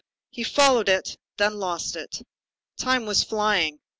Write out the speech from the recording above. He followed it, then lost it. Time was flying.